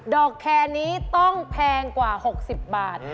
อกแคร์นี้ต้องแพงกว่า๖๐บาท